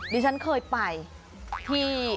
ดิฉันเคยไปที่ไอ้อยู่พญา